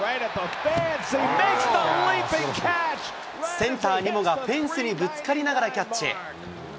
センター、ニモがフェンスにぶつかりながらキャッチ。